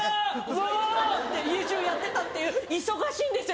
わぁ！って家中やってたっていう忙しいんですよ